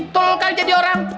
tukar jadi orang